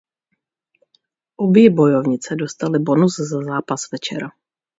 Obě bojovnice dostaly bonus za zápas večera.